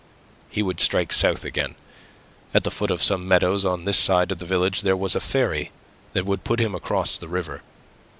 He would strike south again. At the foot of some meadows on this side of the village there was a ferry that would put him across the river.